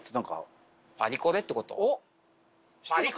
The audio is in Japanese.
おっ！